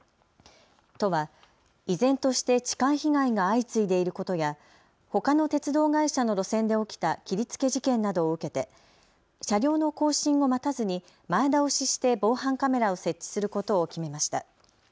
都は依然として痴漢被害が相次いでいることや、ほかの鉄道会社の路線で起きた切りつけ事件などを受けて車両の更新を待たずに前倒しして防犯カメラを設置することを決めました。